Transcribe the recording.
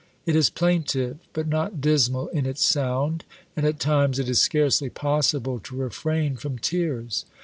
It is plaintive, but not dismal in its sound; and at times it is scarcely possible to refrain from tears.